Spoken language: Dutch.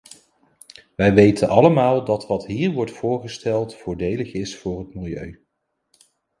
Wij weten allemaal dat wat hier wordt voorgesteld voordelig is voor het milieu.